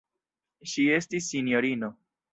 Ŝi estis sinjorino.